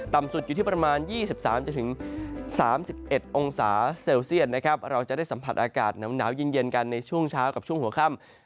สุดอยู่ที่ประมาณ๒๓๓๑องศาเซลเซียตนะครับเราจะได้สัมผัสอากาศหนาวเย็นกันในช่วงเช้ากับช่วงหัวค่ำ